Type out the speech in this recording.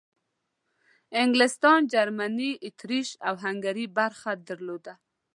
انګلستان، جرمني، اطریش او هنګري برخه درلوده.